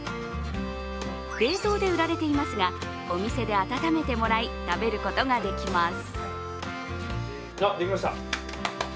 冷凍で売られていますがお店で温めてもらい食べることができます。